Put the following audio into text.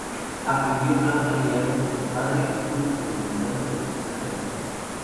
Aprendió flauta guiado por su padre, un experimentado flautista clásico.